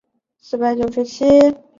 电流流经改装的线路